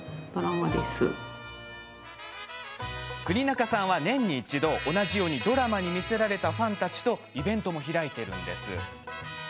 國中さんは、年に一度同じようにドラマに魅せられたファンたちとイベントも開いています。